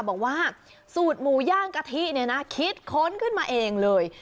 บอกว่าสูตรหมูย่างกะทิเนี่ยนะคิดค้นขึ้นมาเองเลย